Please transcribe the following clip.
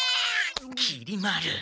きり丸。